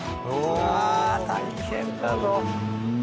うわ大変だぞ。